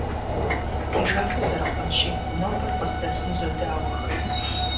Ди жагъуэ зэрыхъунщи, нобэр къыздэсым зодауэхэ.